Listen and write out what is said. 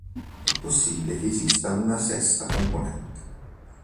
È possibile che esista una sesta componente.